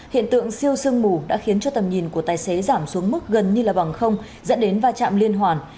hiện tượng siêu sương mù đã khiến cho tầm nhìn của tài xế giảm xuống mức gần như là bằng không dẫn đến va chạm liên hoàn